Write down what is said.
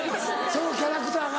そのキャラクターが。